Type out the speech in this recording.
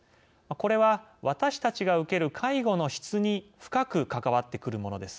これは私たちが受ける介護の質に深く関わってくるものです。